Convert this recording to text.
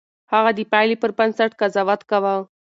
هغه د پايلې پر بنسټ قضاوت کاوه.